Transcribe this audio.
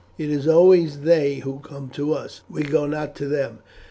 "It is always they who come to us, we go not to them.